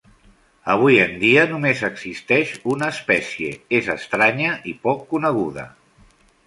Avui en dia només existeix una espècie, és estranya i poc coneguda.